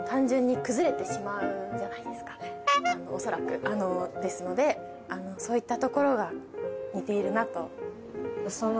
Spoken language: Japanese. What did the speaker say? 恐らくですのでそういったところが似ているなと。